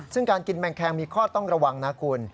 ซึ่งการกินแมงแคงมีข้อต้องระวังนะคุณ